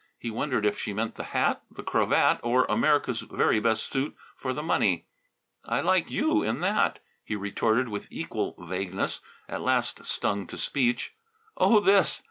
He wondered if she meant the hat, the cravat or America's very best suit for the money. "I like you in that," he retorted with equal vagueness, at last stung to speech. "Oh, this!"